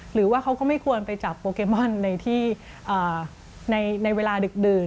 หรือว่าเขาก็ไม่ควรไปจับโปเกมอนในที่ในเวลาดึกดื่น